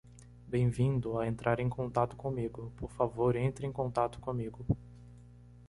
Bem-vindo a entrar em contato comigo, por favor entre em contato comigo.